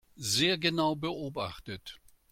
Sehr genau beobachtet.